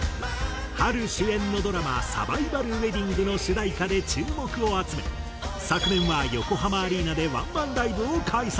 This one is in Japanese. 波瑠主演のドラマ『サバイバル・ウェディング』の主題歌で注目を集め昨年は横浜アリーナでワンマンライブを開催。